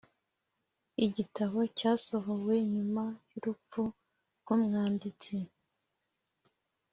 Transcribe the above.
igitabo cyasohowe nyuma yurupfu rwumwanditsi.